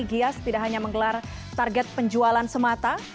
gias tidak hanya menggelar target penjualan semata